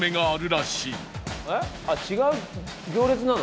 えっ違う行列なの？